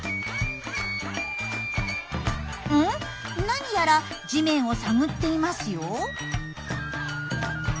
なにやら地面を探っていますよ。